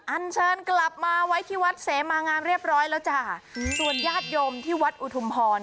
อันเชิญกลับมาไว้ที่วัดเสมางามเรียบร้อยแล้วจ้ะส่วนญาติโยมที่วัดอุทุมพร